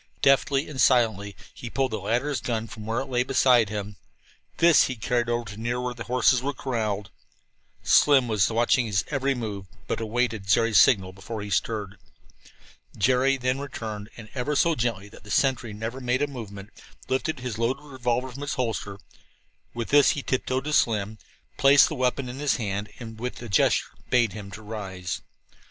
Deftly and silently he pulled the latter's gun from where it lay beside him. This he carried over to near where the horses were corralled. Slim now was watching his every move, but awaited Jerry's signal before he stirred. Jerry then returned, and, so gently that the sentry never made a movement, lifted his loaded revolver from its holster. With this he tiptoed to Slim, placed the weapon in his hand and with a gesture bade him rise.